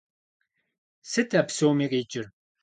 Сыт а псоми къикӏыр?!